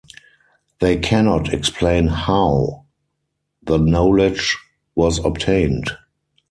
They cannot explain "how" the knowledge was obtained.